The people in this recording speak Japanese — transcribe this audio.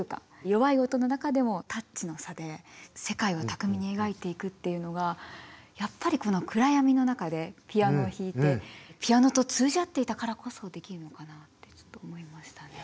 弱い音の中でもタッチの差で世界を巧みに描いていくっていうのがやっぱりこの暗闇の中でピアノを弾いてピアノと通じ合っていたからこそできるのかなってちょっと思いましたね。